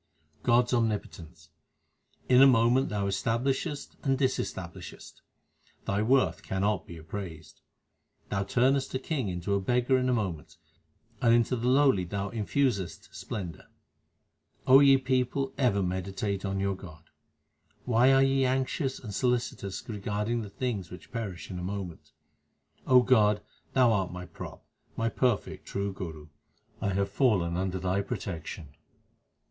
God s omnipotence : In a moment Thou establishest and discs tablishest ; Thy worth cannot be appraised. Thou turnest a king into a beggar in a moment, and into the lowly Thou infusest splendour. ye people, ever meditate on your God. Why are ye anxious and solicitous regarding the things which perish in a moment ? O God, Thou art my prop, my perfect True Guru ; I have fallen under Thy protection.